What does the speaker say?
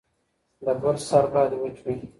د برس سر باید وچ وي.